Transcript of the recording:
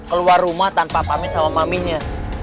keluar rumah tanpa pamit sama maminya